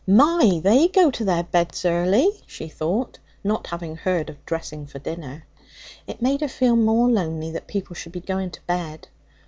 'My! they go to their beds early,' she thought, not having heard of dressing for dinner. It made her feel more lonely that people should be going to bed.